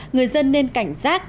người dân nên cảnh giác